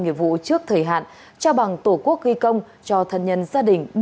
nghiệp vụ trước thời hạn trao bằng tổ quốc ghi công cho thân nhân gia đình